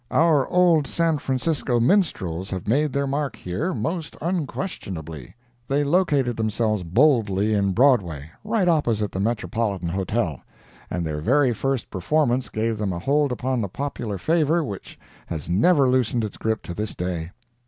Our old San Francisco Minstrels have made their mark here, most unquestionably. They located themselves boldly in Broadway, right opposite the Metropolitan Hotel, and their very first performance gave them a hold upon the popular favor which has never loosened its grip to this day.